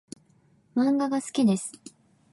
漫画が好きです